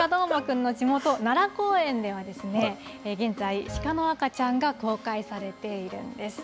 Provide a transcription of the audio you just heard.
そんな鹿どーもくんの地元、奈良公園では、現在、鹿の赤ちゃんが公開されているんです。